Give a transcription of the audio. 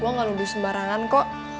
gue gak nuduh sembarangan kok